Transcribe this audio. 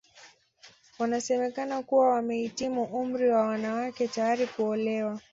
Wanasemekana kuwa wamehitimu umri wa wanawake tayari kuolewa